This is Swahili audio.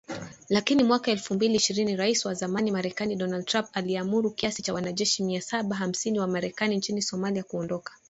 Lakini mwaka elfu mbili ishirini Rais wa zamani Marekani Donald Trump aliamuru kiasi cha wanajeshi mia saba hamsini wa Marekani nchini Somalia kuondoka